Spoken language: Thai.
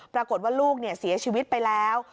ปรากฏว่าลูกเสียชีวิตไปแล้ว